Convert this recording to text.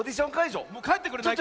もうかえってくれないか。